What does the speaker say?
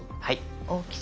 大きさ。